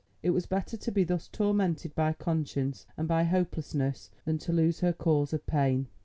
It was better to be thus tormented by conscience and by hopelessness than to lose her cause of pain.